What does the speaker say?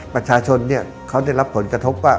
ประชาชนเขาได้รับผลกระทบว่า